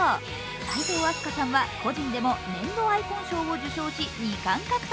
齋藤飛鳥さんは個人でも年度アイコン賞を受賞し２冠獲得。